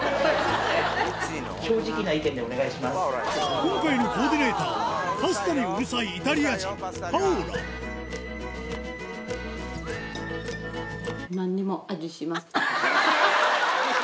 今回のコーディネーターはパスタにうるさいイタリア人パオラハハハハ！